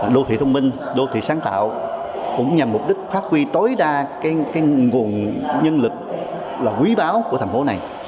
đô thị thông minh đô thị sáng tạo cũng nhằm mục đích phát huy tối đa nguồn nhân lực quý báo của thành phố này